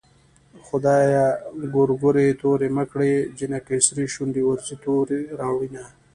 خدايه ګورګورې تورې مه کړې جنکۍ سرې شونډې ورځي تورې راوړينه